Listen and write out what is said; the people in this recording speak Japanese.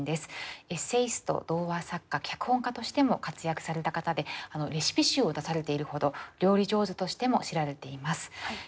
エッセイスト童話作家脚本家としても活躍された方でレシピ集を出されているほど料理上手としても知られています。